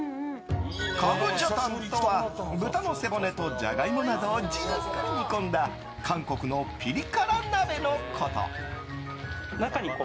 カムジャタンとは豚の背骨とジャガイモなどをじっくり煮込んだ韓国のピリ辛鍋のこと。